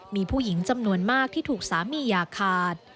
มีผู้หญิงจำนวนมากที่ถูกสามีอย่าขาด